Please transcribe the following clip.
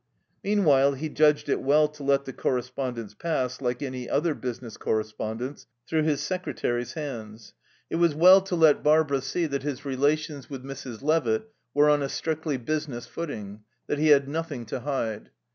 Meanwhile he judged it well to let the correspondence pass, like any other business correspondence, through his secretary's hands. It was well to let Barbara see that his relations with Mrs. Levitt were on a strictly business footing, that he had nothing to hide.